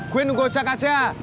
gue nunggu ocak aja